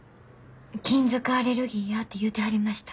金属アレルギーやって言うてはりました。